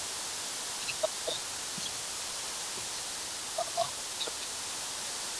Sin embargo, ha existido cierta controversia sobre la autoría real de los ataques.